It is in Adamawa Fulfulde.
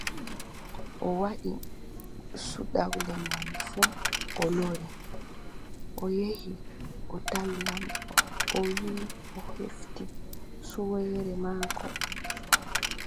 O waɗi cuɗawle mum fuu o lori, o yehi, o tawi laamɗo o wiʼi o heɓti suweere maako.